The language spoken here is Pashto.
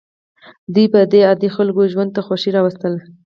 دوی به د عادي خلکو ژوند ته خوښي راوستله.